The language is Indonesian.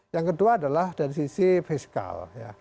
yang kedua adalah dari sisi fiskal